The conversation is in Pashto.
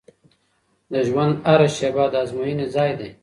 د ژوند هره شیبه د ازموینې ځای دی.